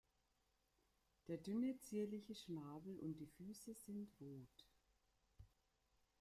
Der dünne zierliche Schnabel und die Füße sind rot.